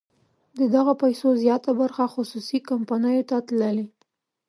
د دغه پیسو زیاته برخه خصوصي کمپنیو ته تللې.